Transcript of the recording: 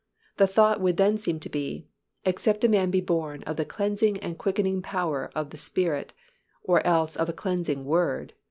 The thought would then seem to be, "Except a man be born of the cleansing and quickening power of the Spirit (or else of the cleansing Word—cf.